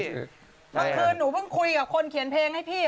เมื่อคืนหนูเพิ่งคุยกับคนเขียนเพลงให้พี่